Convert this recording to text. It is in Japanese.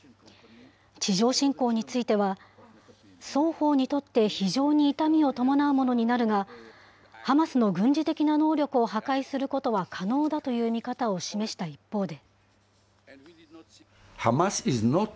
地上侵攻については、双方にとって非常に痛みを伴うものになるが、ハマスの軍事的な能力を破壊することは可能だという見方を示した一方で。